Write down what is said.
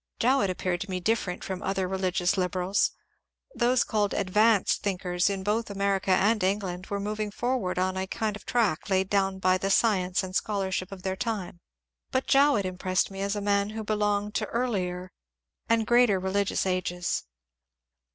Jowett appeared to me different from other religious liber als. Those called ^^ advanced " thinkers in both America and England were moving forward on a kind of track laid down by the science and scholarship of their time, but Jowett im pressed me as a man who belonged to earlier and greater reli* 318 MONCUBE DANIEL CONWAY gious ages.